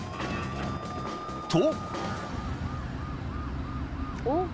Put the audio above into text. ［と］